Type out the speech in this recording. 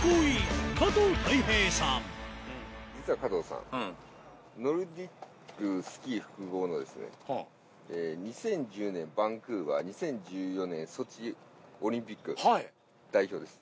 実は加藤さん、ノルディックスキー複合の、２０１０年バンクーバー、２０１４年ソチオリンピック、代表です。